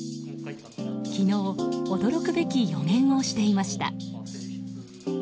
昨日、驚くべき予言をしていました。